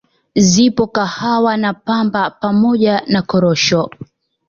Zipo Kahawa na Pamba pamoja na Korosho